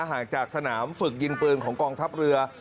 ห่างจากสนามฝึกยิงปืนของกองทัพเรือ